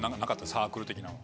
サークル的なのは。